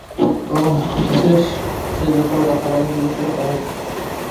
ওহ, এটা ছিলো সে যখন কথা বলা শিখেছিলো তখনকার।